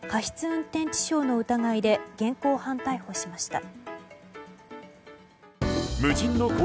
運転致傷の疑いで現行犯逮捕しました。